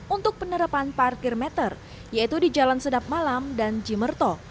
untuk penerapan parkir meter yaitu di jalan sedap malam dan jimerto